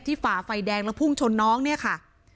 ฝ่าไฟแดงแล้วพุ่งชนน้องเนี่ยค่ะ